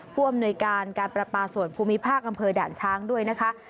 ผู้อำนวยการการประปาส่วนภูมิภาคอำเภอด่านช้างด้วยนะคะ